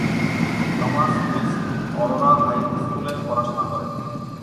Thomas East Aurora High স্কুলে পড়াশোনা করেন।